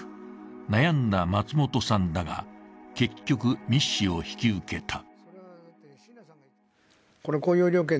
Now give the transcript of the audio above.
悩んだ松本さんだが結局、密使を引き受けた。